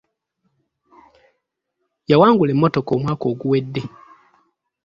Yawangula emmotoka omwaka oguwedde.